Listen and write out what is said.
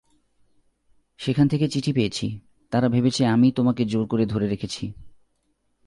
সেখান থেকে চিঠি পেয়েছি, তারা ভেবেছে আমিই তোমাকে জোর করে ধরে রেখেছি।